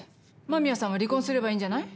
間宮さんは離婚すればいいんじゃない？